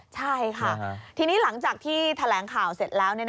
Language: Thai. ใช่ค่ะทีนี้หลังจากที่แถลงข่าวเสร็จแล้ว